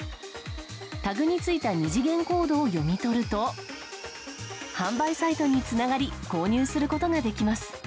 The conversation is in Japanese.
タグについた二次元コードを読み取ると販売サイトにつながり購入することができます。